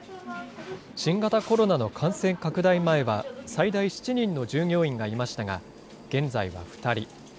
新型コロナの感染拡大前は、最大７人の従業員がいましたが、現在は２人。